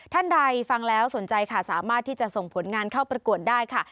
ท่านใดฟังแล้วสนใจค่ะสามารถที่จะส่งผลงานเข้าประกวดได้ค่ะ